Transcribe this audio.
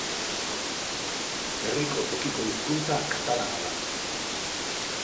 Herriko tokiko hizkuntza katalana da.